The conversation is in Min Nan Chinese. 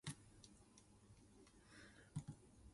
往過